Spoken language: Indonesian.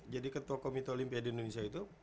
jadi ketua komito olimpia di indonesia itu